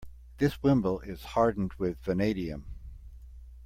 This wimble is hardened with vanadium.